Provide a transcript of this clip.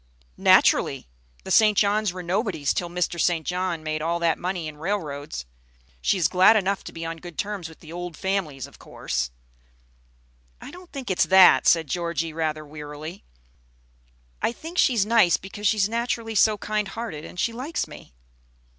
"Naturally! The St. Johns were nobodies till Mr. St. John made all that money in railroads. She is glad enough to be on good terms with the old families, of course." "I don't think it's that," said Georgie, rather wearily. "I think she's nice because she's naturally so kind hearted, and she likes me."